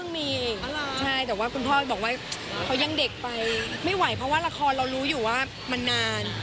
ไม่ไหวเพราะว่าระครเรารู้อยู่ว่ามันนาน